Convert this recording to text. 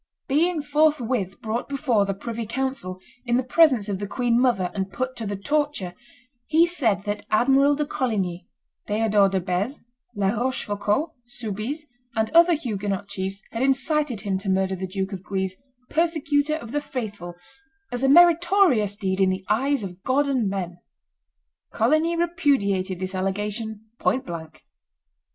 Being forthwith brought before the privy council, in the presence of the queen mother, and put to the torture, he said that Admiral de Coligny, Theodore de Beze, La Rochefoucauld, Soubise, and other Huguenot chiefs had incited him to murder the Duke of Guise, persecutor of the faithful, "as a meritorious deed in the eyes of God and men." Coligny repudiated this allegation point blank.